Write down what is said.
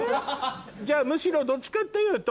じゃあむしろどっちかっていうと。